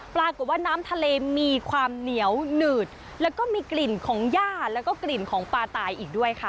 ปรากฏว่าน้ำทะเลมีความเหนียวหนืดแล้วก็มีกลิ่นของย่าแล้วก็กลิ่นของปลาตายอีกด้วยค่ะ